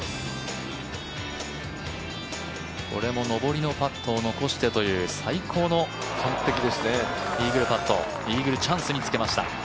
これも上りのパットを残してという最高のイーグルパットイーグルチャンスにつけました。